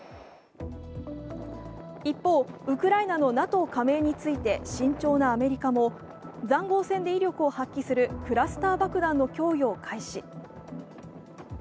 一方、ウクライナのＮＡＴＯ加盟について慎重なアメリカもざんごう戦で威力を発揮するクラスター爆弾の供与を開始。